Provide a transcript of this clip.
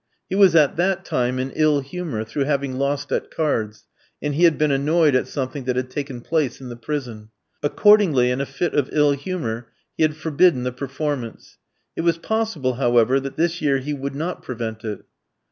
He was at that time in ill humour through having lost at cards, and he had been annoyed at something that had taken place in the prison. Accordingly, in a fit of ill humour, he had forbidden the performance. It was possible, however, that this year he would not prevent it.